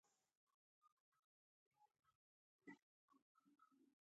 مېز د کوچنیو شیانو ایښودلو لپاره مهم دی.